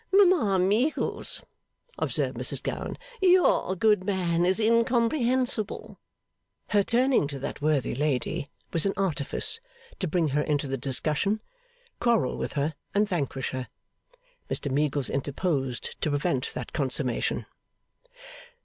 'Mama Meagles,' observed Mrs Gowan, 'your good man is incomprehensible.' Her turning to that worthy lady was an artifice to bring her into the discussion, quarrel with her, and vanquish her. Mr Meagles interposed to prevent that consummation.